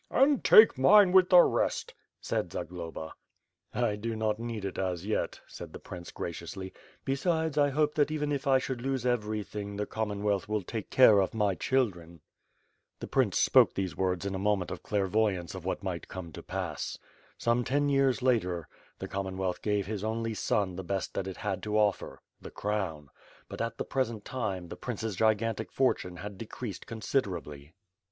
"And take mine with the rest," said Zagloba. "I do not need it, as yet," said the prince graciously, "be sides, I hope that even if I should lose everything the Com monwealth will take care of my children." The prince spoke these words in a moment of clairvoyance of what might come to pass. Some ten years later, the Com monwealth gave his only son the best that it had to offer — the crown; but at the present time the prince's gigantic fortune had decreased considerably.